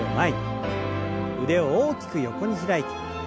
腕を大きく横に開いて。